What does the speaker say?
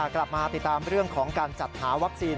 กลับมาติดตามเรื่องของการจัดหาวัคซีน